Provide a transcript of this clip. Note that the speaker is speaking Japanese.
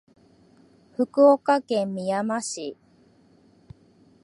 福岡県みやま市